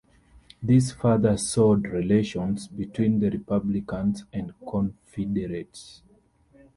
This further soured relations between the Republicans and Confederates.